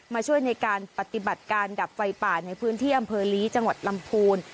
มาช่วยในการปฏิบัติการดับไฟป่าในพื้นที่อำเภอลีจังหวัดลำพูน